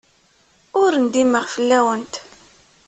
Ur ndimeɣ fell-awent.